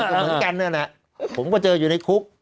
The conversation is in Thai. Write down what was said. แล้วกันเนี่ยแหละผมก็เจออยู่ในคุก